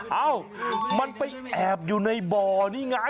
เอ้ามันไปแอบอยู่ในบ่อนี่ไง